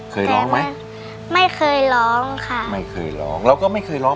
เคยร้องไหมไม่เคยร้องค่ะไม่เคยร้องแล้วก็ไม่เคยร้อง